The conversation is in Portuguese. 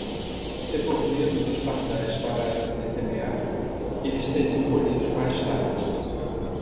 Se por medo dos pardais parassem de semear, eles seriam colhidos mais tarde.